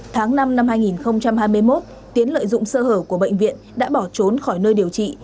tháng năm năm hai nghìn hai mươi một tiến lợi dụng sơ hở của bệnh viện đã bỏ trốn khỏi nơi điều trị